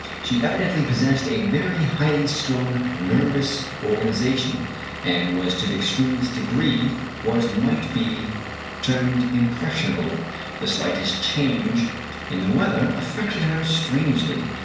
She evidently possessed a very highly strung nervous organ ization, and was to the extremest degree what might be termed impressionable. The slightest change in the weather affected her strangely.